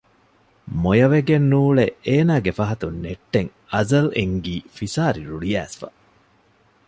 މޮޔަވެގެން ނޫޅެ އޭނާގެ ފަހަތުން ނެއްޓެން އަޒަލް އެންގީ ފިސާރި ރުޅިއައިސްފަ